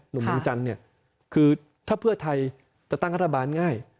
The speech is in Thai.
หนุ่มดวงจันทร์เนี่ยคือถ้าเพื่อไทยจะตั้งรัฐบาลง่าย